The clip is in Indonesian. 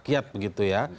oleh rakyat begitu ya